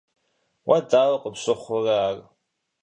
Уэ дауэ къыпщыхъурэ ар?